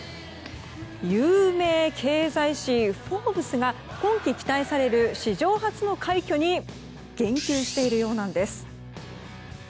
有名経済誌「フォーブス」が今季期待される史上初の快挙に言及しているようなんです。